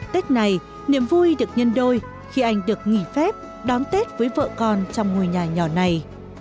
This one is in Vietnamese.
tết này niềm vui được nhân đôi khi anh được nghỉ phép đón tết với vợ con trong ngôi nhà nhỏ này